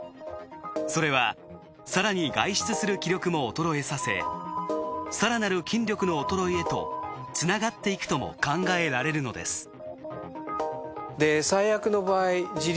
それは更に外出する気力も衰えさせ更なる筋力の衰えへとつながっていくとも考えられるのです。